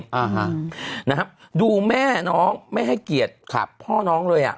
นะครับดูแม่น้องไม่ให้เกียรติพ่อน้องเลย